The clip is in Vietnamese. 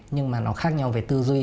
nhưng mà nó khác nhau về tư duy